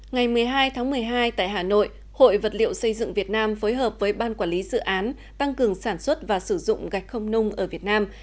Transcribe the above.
ngày một mươi hai tháng một mươi hai tại hà nội hội vật liệu xây dựng việt nam phối hợp với ban quản lý dự án tăng cường sản xuất và sử dụng gạch không nung ở việt nam